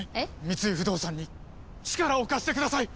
三井不動産に力を貸してください！